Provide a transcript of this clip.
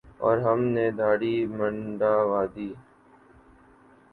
اور ہم نے دھاڑی منڈوادی ۔